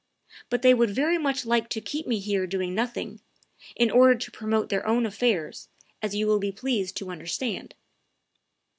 But they would very much like to keep me here doing nothing, in order to promote their own affairs, as you will be pleased to understand."